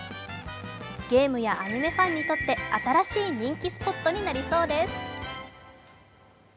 ゲームやアニメファンにとって新しい人気スポットになりそうです。